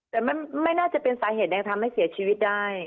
แต่มันไม่น่าจะเป็นสาเหตุใดทำให้เสียชีวิตได้